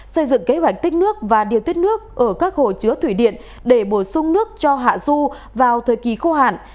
xây dựng kế hoạch tích nước và điều tiết nước ở các hồ chứa thủy điện để bổ sung nước cho hạ du vào thời kỳ khô hạn